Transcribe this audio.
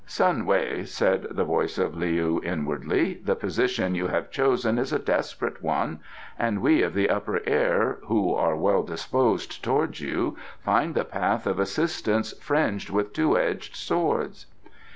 "Sun Wei," said the voice of Leou inwardly, "the position you have chosen is a desperate one, and we of the Upper Air who are well disposed towards you find the path of assistance fringed with two edged swords."